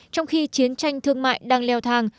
trong khi chiến tranh thương mại đang leo thang